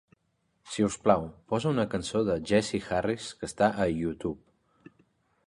Si us plau, posa una cançó de Jesse Harris que està a Youtube.